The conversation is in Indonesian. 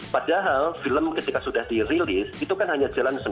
padahal film ketika sudah dirilis itu kan hanya jalan sembilan